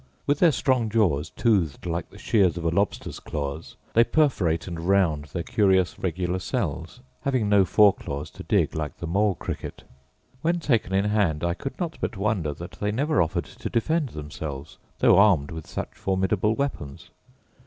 With their strong jaws, toothed like the shears of a lobster's claws, they perforate and round their curious regular cells, having no fore claws to dig, like the mole cricket. When taken in hand I could not but wonder that they never offered to defend themselves, though armed with such formidable weapons.